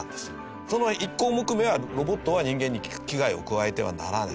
その１項目目は「ロボットは人間に危害を加えてはならない」っていうね。